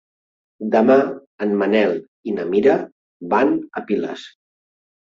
Demà en Manel i na Mira van a Piles.